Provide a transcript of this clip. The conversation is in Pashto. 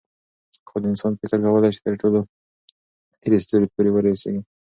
خو د انسان فکر کولی شي تر ټولو لیرې ستورو پورې ورسېږي.